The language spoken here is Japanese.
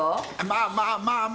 まあまあまあまあ。